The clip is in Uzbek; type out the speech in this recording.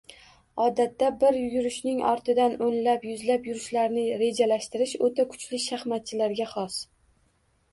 Odatda bir yurishning ortidan o`nlab, yuzlab yurishlarni rejalashtirish o`ta kuchli shaxmatchilarga xos